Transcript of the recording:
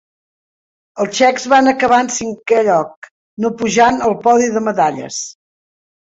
Els txecs van acabar en cinquè lloc, no pujant al podi de medalles.